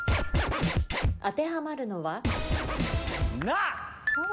当てはまるのは？な！